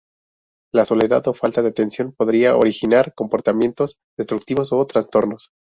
La soledad o falta de atención podría originar comportamientos destructivos o trastornos.